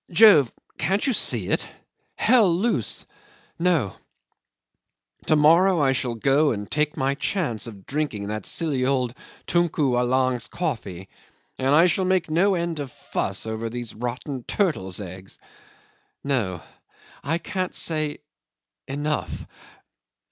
Jove! can't you see it? Hell loose. No! To morrow I shall go and take my chance of drinking that silly old Tunku Allang's coffee, and I shall make no end of fuss over these rotten turtles' eggs. No. I can't say enough.